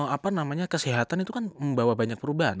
apa namanya kesehatan itu kan membawa banyak perubahan